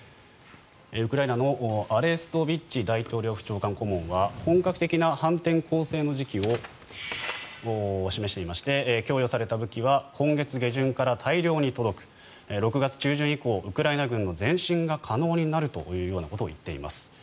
ウクライナのアレストビッチ大統領府長官顧問は本格的な反転攻勢の時期を示していまして供与された武器は今月下旬から大量に届く６月中旬以降ウクライナ軍の前進が可能になるということを言っています。